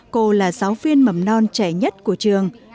cô là giáo viên mầm non trẻ nhất của trường